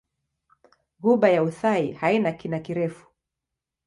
Ghuba ya Uthai haina kina kirefu.